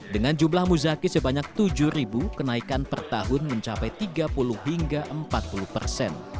dengan jumlah muzaki sebanyak tujuh kenaikan per tahun mencapai tiga puluh hingga empat puluh persen